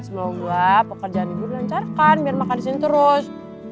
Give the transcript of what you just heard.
semoga pekerjaan ibu lancarkan biar makan disini terus